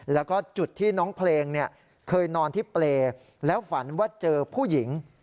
แล้วก็จุดที่น้องเพลงเคยนอนที่เปรย์แล้วฝันว่าเจอผู้หญิง